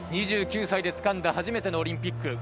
２９歳でつかんだ初めてのオリンピック。